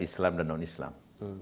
islam dan non islam